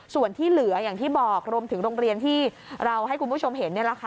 ส่วนที่เหลืออย่างที่บอกรวมถึงโรงเรียนที่เราให้คุณผู้ชมเห็น